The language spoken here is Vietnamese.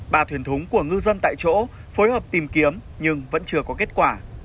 ba thuyền thúng của ngư dân tại chỗ phối hợp tìm kiếm nhưng vẫn chưa có kết quả